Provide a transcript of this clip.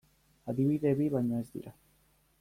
Adibide bi baino ez dira.